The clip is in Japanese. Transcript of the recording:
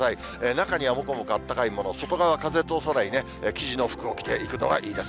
中にはもこもこあったかいもの、外側は風通さない生地の服を着ていくといいです。